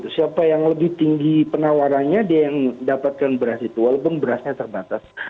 siapa yang lebih tinggi penawarannya dia yang dapatkan beras itu walaupun berasnya terbatas